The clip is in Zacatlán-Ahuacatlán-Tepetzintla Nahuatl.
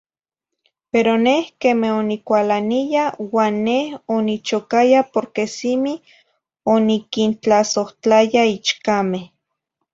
Pero neh queme onicualaniya, uan neh onichocaya porque cimi oniquintlazohtlaya ichcame.